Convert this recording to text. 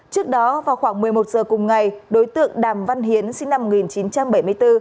trước đó vào khoảng một mươi một giờ cùng ngày đối tượng đàm văn hiến sinh năm một nghìn chín trăm bảy mươi bốn